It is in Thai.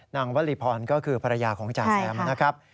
วลีพรก็คือภรรยาของจ่าแซมนะครับ